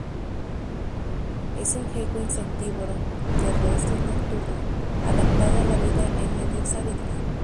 Es un gecko insectívoro, terrestre y nocturno adaptado a la vida en medios áridos.